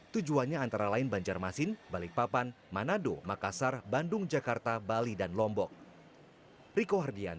tujuannya antara lain banjarmasin balikpapan manado makassar bandung jakarta bali dan lombok